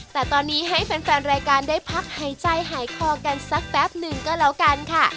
แต่ตอนนี้ให้แฟนรายการได้พักหายใจหายคอกันสักแป๊บหนึ่งก็แล้วกันค่ะ